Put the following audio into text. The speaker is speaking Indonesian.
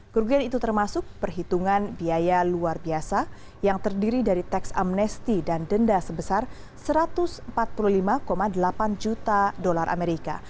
kerugian itu termasuk perhitungan biaya luar biasa yang terdiri dari teks amnesti dan denda sebesar satu ratus empat puluh lima delapan juta dolar amerika